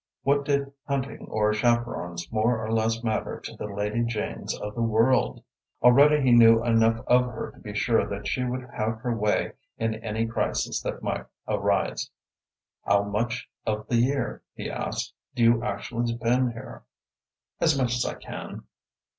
What did hunting or chaperons more or less matter to the Lady Janes of the world! Already he knew enough of her to be sure that she would have her way in any crisis that might arise. "How much of the year," he asked, "do you actually spend here?" "As much as I can."